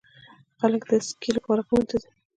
خلک د اسکی لپاره غرونو ته ځي.